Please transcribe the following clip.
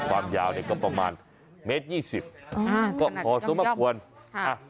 ความยาวเนี่ยก็ประมาณเมตรยี่สิบอ่าก็พอสมควรค่ะอ่ะ